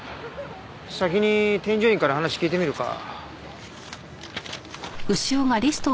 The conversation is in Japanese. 先に添乗員から話聞いてみるか。